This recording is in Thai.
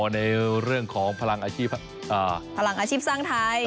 ในเรื่องของพลังอาชีพสร้างไทย